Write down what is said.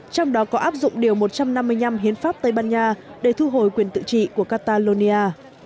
trong đó có áp dụng điều một trăm năm mươi năm hiến pháp tây ban nha để thu hồi quyền tự trị của catalonia